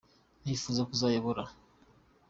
nifuza kuzayobora.